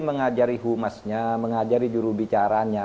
mengajari humasnya mengajari juru bicara